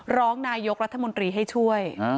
ร้องนายกรัฐมนตรีให้ช่วย